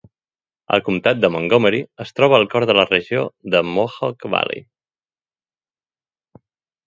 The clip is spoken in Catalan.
El comtat de Montgomery es troba al cor de la regió de Mohawk Valley.